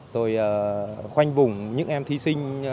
rồi khoanh vùng những em thí sinh